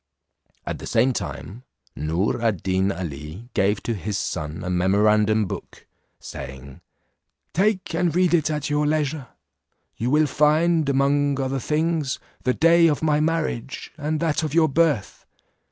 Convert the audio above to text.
At the same time, Noor ad Deen Ali gave to his son a memorandum book, saying, "Take and read it at your leisure; you will find, among other things, the day of my marriage, and that of your birth.